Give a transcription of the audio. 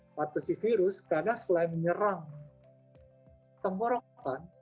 gerade pas ksih virus karena selain menyerang tenggorokan